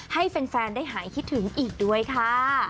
ให้แฟนได้หายคิดถึงอีกด้วยค่ะ